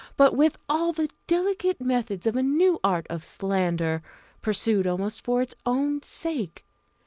but with all the delicate methods of a new art of slander, pursued almost for its own sake.